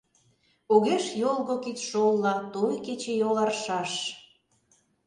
Огеш йолго кидшолла Той кечыйол аршаш.